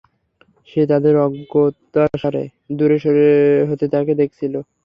সে তাদের অজ্ঞাতসারে দূর হতে তাকে দেখছিল।